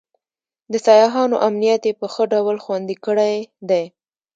د سیاحانو امنیت یې په ښه ډول خوندي کړی دی.